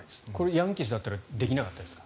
ヤンキースだったらできなかったですか？